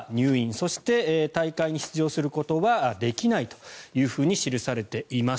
そして、大会に出場することはできないと記されています。